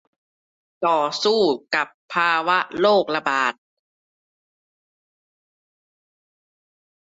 ต่อสู้กับภาวะโรคระบาด